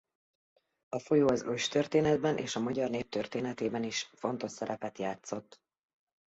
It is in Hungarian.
A folyó az őstörténetben és a magyar nép történetében is fontos szerepet játszott.